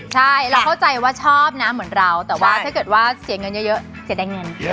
ใช่เราเข้าใจว่าชอบนะเหมือนเราแต่ว่าถ้าเกิดว่าเสียเงินเยอะเสียดายเงิน